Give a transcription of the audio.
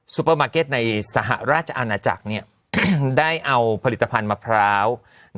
เปอร์มาร์เก็ตในสหราชอาณาจักรได้เอาผลิตภัณฑ์มะพร้าว